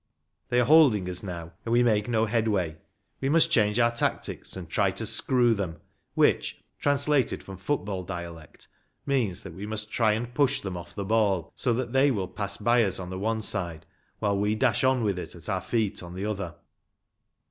They are holding us now, and we make no head way. We must change our tactics, and try to " screw " them, which, translated from football dialect, means that we must try and push them off the ball, so that they will pass by us on the one side, while we dash on with it at our feet on the other.